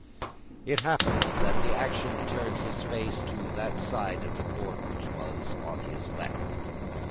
It happened, that the action turned his face to that side of the court which was on his left.